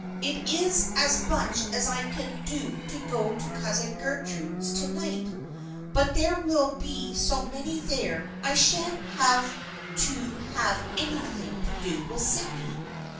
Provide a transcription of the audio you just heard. It is as much as I can do to go to Cousin Gertrude's to night, but there will be so many there I shan't have to have anything to do with Sydney.